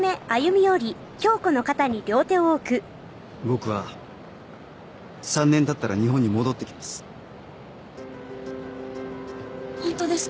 僕は３年たったら日本に戻ってきます。